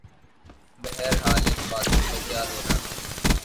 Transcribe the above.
بہرحال ان باتوں پہ کیا رونا۔